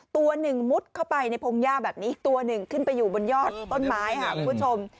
ตัวหนึ่งมุดเข้าไปในพงหญ้าแบบนี้ตัวหนึ่งขึ้นไปอยู่บนยอดต้นไม้ค่ะคุณผู้ชม